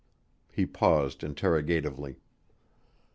He paused interrogatively.